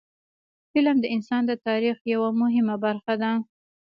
فلم د انسان د تاریخ یوه مهمه برخه ده